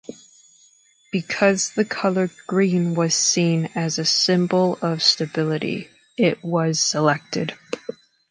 Because the color green was seen as a symbol of stability, it was selected.